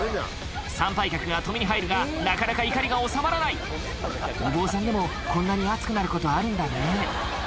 参拝客が止めに入るがなかなか怒りが収まらないお坊さんでもこんなに熱くなることあるんだね